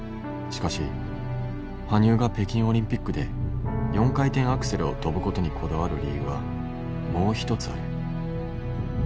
しかし羽生が北京オリンピックで４回転アクセルを跳ぶことにこだわる理由はもう一つある。